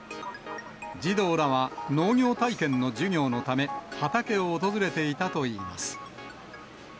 児童らは農業体験の授業のため、畑を訪れていたといいます。